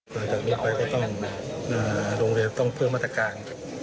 หลังจากนี้ไปก็ต้องโรงเรียนต้องเพิ่มมาตรการ